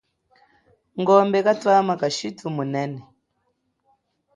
Ngombe kathama kashithu munene